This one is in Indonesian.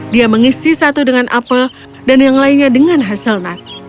dia mengisi satu dengan apel dan yang lainnya dengan hazelnut